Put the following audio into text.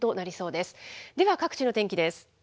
では、各地の天気です。